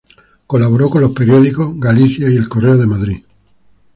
Colaboró con los periódicos "Galicia" y "El Correo" de Madrid.